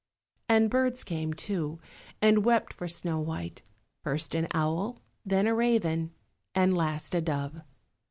And birds came too, and wept for Snow white; first an owl, then a raven, and last a dove.